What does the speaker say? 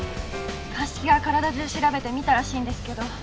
鑑識が体中調べて見たらしいんですけど。